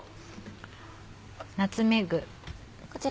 ナツメッグ。